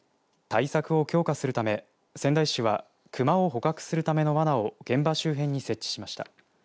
対策を強化するため仙台市はクマを捕獲するためのわなを現場周辺に設置しました。